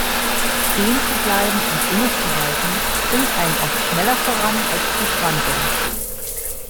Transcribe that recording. Stehen zu bleiben und innezuhalten bringt einen oft schneller voran, als zu strampeln.